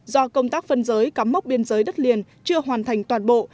do công tác phân giới cắm mốc biên giới đất liền chưa hoàn thành toàn bộ